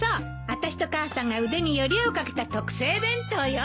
私と母さんが腕によりをかけた特製弁当よ。